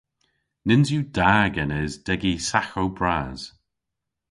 Nyns yw da genes degi saghow bras.